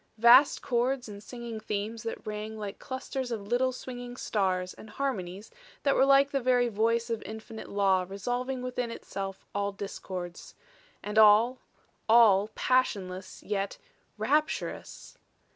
Vast chords and singing themes that rang like clusters of little swinging stars and harmonies that were like the very voice of infinite law resolving within itself all discords. And all all passionless, yet rapturous.